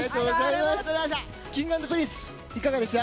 Ｋｉｎｇ＆Ｐｒｉｎｃｅいかがでした？